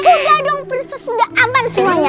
sudah dong princes sudah aman semuanya